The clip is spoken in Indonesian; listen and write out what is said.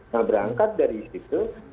nah berangkat dari situ